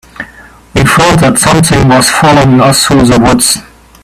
We felt that something was following us through the woods.